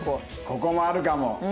ここもあるかも。